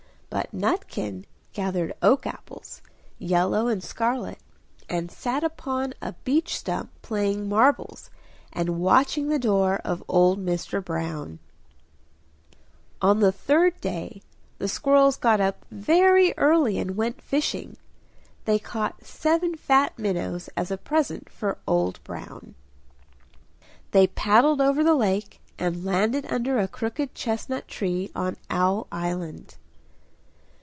But Nutkin gathered oak apples yellow and scarlet and sat upon a beech stump playing marbles, and watching the door of old Mr. Brown. On the third day the squirrels got up very early and went fishing; they caught seven fat minnows as a present for Old Brown. They paddled over the lake and landed under a crooked chestnut tree on Owl Island.